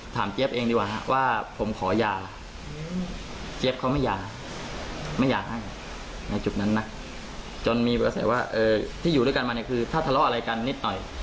เจี๊ยบเองดีกว่าว่าผมขอยาเจี๊ยบเขาไม่หย่าไม่อยากให้ในจุดนั้นนะจนมีกระแสว่าที่อยู่ด้วยกันมาเนี่ยคือถ้าทะเลาะอะไรกันนิดหน่อย